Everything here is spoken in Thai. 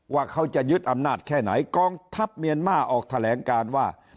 ว่าเขาจะยึดอำนาจแค่ไหนกองทัพเมียนมาร์ออกแถลงการว่า